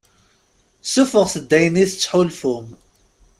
Ssuffɣet-d ayen i tettḥulfum.